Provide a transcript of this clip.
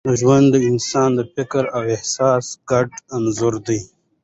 ژوند د انسان د فکر او احساس ګډ انځور دی.